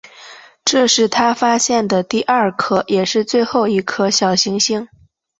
这是他发现的第二颗也是最后一颗小行星。